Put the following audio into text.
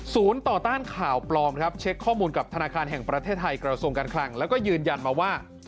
ต่อต้านข่าวปลอมครับเช็คข้อมูลกับธนาคารแห่งประเทศไทยกระทรวงการคลังแล้วก็ยืนยันมาว่า